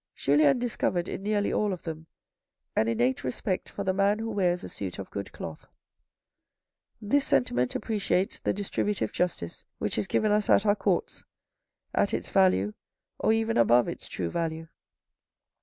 Julien discovered in nearly all of them an innate respect for the man who wears a suit of good cloth. This sentiment appreciates the distributive justice, which is given us at our courts, at its value or even above its true value.